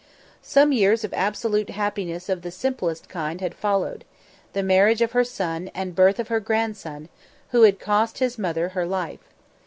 Some years of absolute happiness of the simplest kind had followed; the marriage of her son and birth of her grandson, who had cost his mother her life.